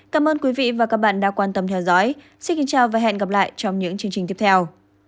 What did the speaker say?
cảm ơn các bạn đã theo dõi và hẹn gặp lại trong các bản tin tiếp theo